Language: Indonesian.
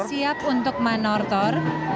sudah siap untuk manortor